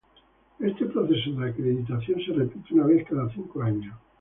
Este proceso de acreditación se repite una vez cada cinco años.